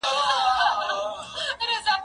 زه اوږده وخت د کتابتون پاکوالی کوم،